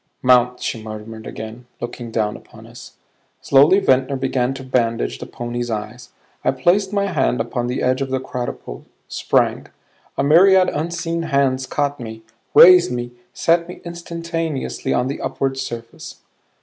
"Mount," she murmured again, looking down upon us. Slowly Ventnor began to bandage the pony's eyes. I placed my hand upon the edge of the quadruple; sprang. A myriad unseen hands caught me, raised me, set me instantaneously on the upward surface.